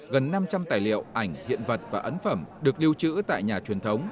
gần năm trăm linh tài liệu ảnh hiện vật và ấn phẩm được lưu trữ tại nhà truyền thống